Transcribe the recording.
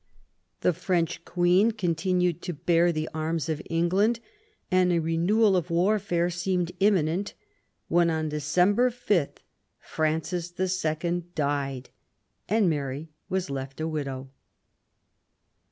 The French Queen con tinued to bear the arms of England, and a renewal of warfare seemed imminent, when on December 5 Francis II. died and Mary was left a widow.